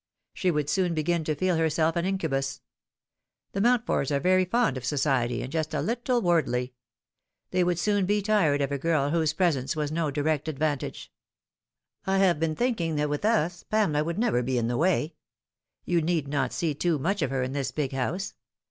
She would soon begin to feel herself an incu bus. The Mountfords are very fond of society, and just a little worldly. They would soon be tired of a girl whose presence was no direct advantage. I have been thinking that with us Pamela would never be in the way. You need not see too much of her in this big house.